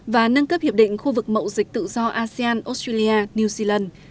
và nâng cấp hiệp định khu vực mậu dịch tự do asean australia new zealand